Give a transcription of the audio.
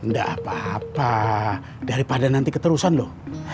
nggak apa apa daripada nanti keterusan loh